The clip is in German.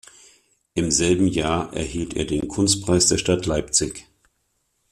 Im selben Jahr erhielt er den Kunstpreis der Stadt Leipzig.